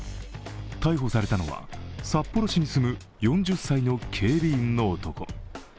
逮捕されたのは札幌市に住む４０歳の警備員の男。